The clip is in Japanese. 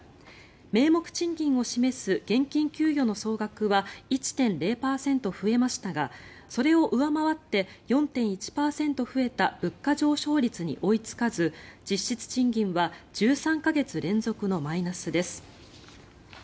名目賃金を示す現金給与の総額は１．０％増えましたがそれを上回って４．１％増えた物価上昇率に追いつかず実質賃金は１３か月連続のマイナスです。